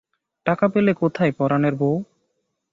টাকা পেলে কোথায় পরাণের বৌ?